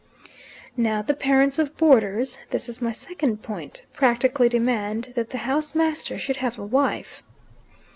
"Now the parents of boarders this is my second point practically demand that the house master should have a wife."